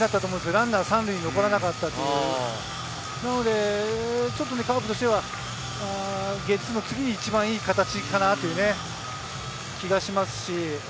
ランナーが３塁に残らなかったというところで、カープとしてはゲッツーの次に一番いい形かなという気がします。